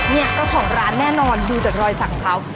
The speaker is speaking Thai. เนี่ยก็ของร้านแน่นอนดูจากรอยสักครับ